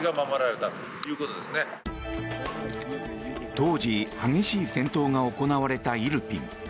当時、激しい戦闘が行われたイルピン。